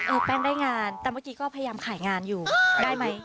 แป้งได้งานแต่เมื่อกี้ก็พยายามขายงานอยู่ได้ไหม